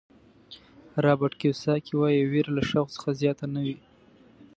رابرټ کیوساکي وایي وېره له شوق څخه زیاته نه وي.